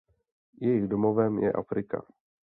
Jejich domovem je Afrika.